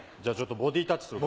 ボディータッチするから。